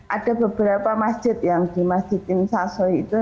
ada beberapa masjid yang di masjid timsaso itu